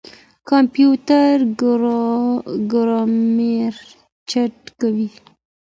کمپيوټر ګرامر چک کوي.